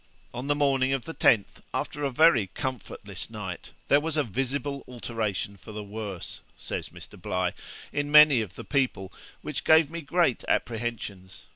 'In the morning of the 10th, after a very comfortless night, there was a visible alteration for the worse,' says Mr. Bligh, 'in many of the people, which gave me great apprehensions.